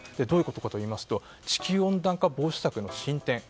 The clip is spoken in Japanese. どういうことかというと地球温暖化防止策の進展。